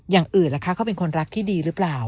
อย่างอื่นล่ะคะเขาเป็นคนรักที่ดีหรือเปล่า